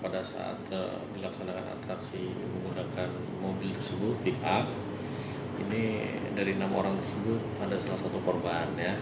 pada saat dilaksanakan atraksi menggunakan mobil tersebut pihak ini dari enam orang tersebut ada salah satu korban